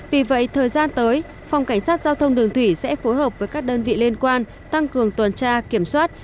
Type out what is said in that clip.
vì vậy thời gian tới phòng cảnh sát giao thông đường thủy sẽ phối hợp với các đơn vị liên quan tăng cường tuần tra kiểm soát